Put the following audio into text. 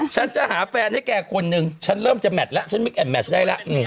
ฉันจะหาแฟนให้แกคนนึงฉันเริ่มจะแมทแล้วฉันมิกแอมแมชได้แล้ว